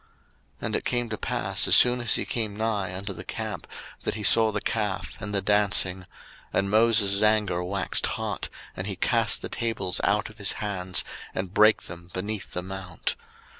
02:032:019 And it came to pass, as soon as he came nigh unto the camp, that he saw the calf, and the dancing: and Moses' anger waxed hot, and he cast the tables out of his hands, and brake them beneath the mount.